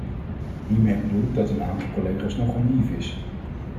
Hiermee bedoel ik dat een aantal collega’s nogal naïef is.